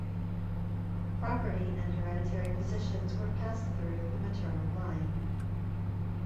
Property and hereditary positions were passed through the maternal line.